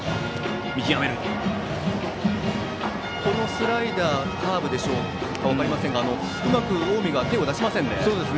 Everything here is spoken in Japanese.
スライダー、カーブでしょうか分かりませんがうまく近江が手を出しませんね。